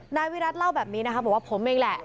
นายวิรัติเล่าแบบนี้นะคะบอกว่าผมเองแหละ